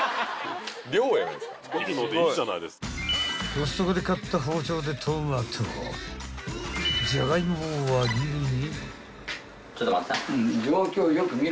［コストコで買った包丁でトマトじゃがいもを輪切りに］